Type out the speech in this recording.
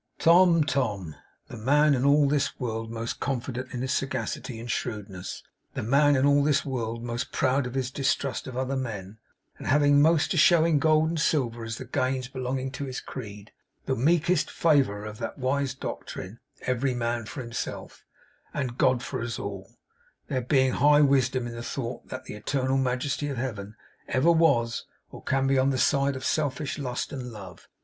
Tom, Tom! The man in all this world most confident in his sagacity and shrewdness; the man in all this world most proud of his distrust of other men, and having most to show in gold and silver as the gains belonging to his creed; the meekest favourer of that wise doctrine, Every man for himself, and God for us all (there being high wisdom in the thought that the Eternal Majesty of Heaven ever was, or can be, on the side of selfish lust and love!)